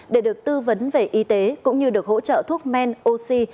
để được tư vấn về y tế cũng như được hỗ trợ thuốc men oxy